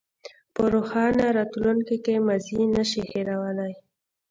په روښانه راتلونکي کې ماضي نه شئ هېرولی.